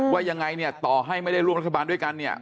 ว่ายังไงเนี่ยต่อให้ไม่ได้ร่วมรัฐบาลด้วยกันเนี่ย